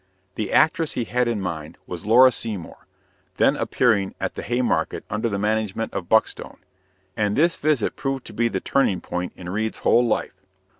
The actress he had in mind was Laura Seymour, then appearing at the Haymarket under the management of Buckstone; and this visit proved to be the turning point in Reade's whole life.